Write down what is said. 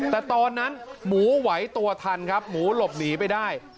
แต่ตอนนั้นหมูไหวตัวทันครับหมูหลบหนีไปได้